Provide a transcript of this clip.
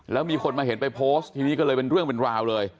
แล้วมีคนมาเห็นไปโพสต์ทีนี้ก็เลยเป็นเรื่องเป็นราวเลย